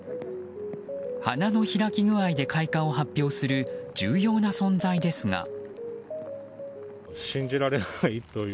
花の開き具合で開花を発表する重要な存在ですが。